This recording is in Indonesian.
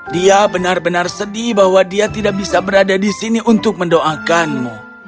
dia benar benar sedih bahwa dia tidak bisa berada di sini untuk mendoakanmu